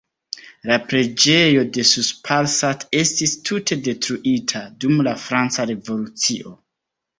La preĝejo de Sous-Parsat estis tute detruita dum la franca revolucio.